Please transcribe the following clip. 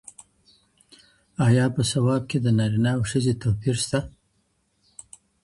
آیا په ثواب کي د نارينه او ښځي توپير سته؟